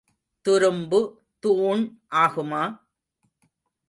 துரும்பு தூண் ஆகுமா?